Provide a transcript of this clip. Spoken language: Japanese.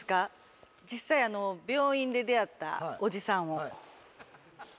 実際病院で出会ったおじさんを。